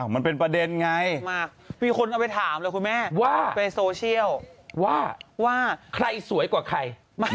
มันเป็นประเด็นไงมีคนเอาไปถามเลยคุณแม่ว่าในโซเชียลว่าใครสวยกว่าใคร